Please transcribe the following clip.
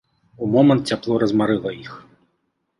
У момант цяпло размарыла іх.